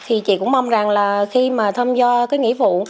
thì chị cũng mong rằng là khi mà thăm do cái nghĩa vụ